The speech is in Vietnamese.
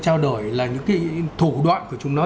trao đổi là những cái thủ đoạn của chúng nó